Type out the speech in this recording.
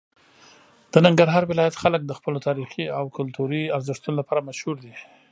د ننګرهار ولایت خلک د خپلو تاریخي او کلتوري ارزښتونو لپاره مشهور دي.